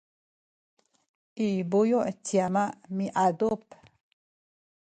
i buyu’ ci ama miadup